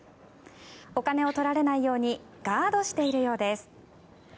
お金を取られないようにガードしているようです。